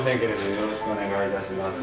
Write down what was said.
よろしくお願いします。